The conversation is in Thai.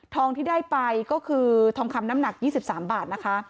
ที่ได้ไปก็คือทองคำน้ำหนัก๒๓บาทนะคะ